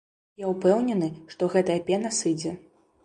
Я ўпэўнены, што гэтая пена сыдзе.